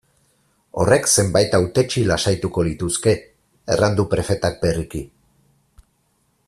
Horrek zenbait hautetsi lasaituko lituzke, erran du prefetak berriki.